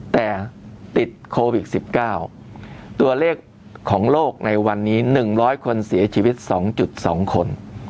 แต่ติดโควิด๑๙ตัวเลขของโลกในวันนี้๑๐๐คนเสียชีวิต๒๒คน